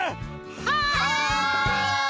はい！